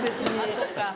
そっか。